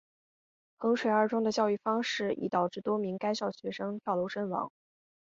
衡水二中的教育方式已导致多名该校学生跳楼身亡。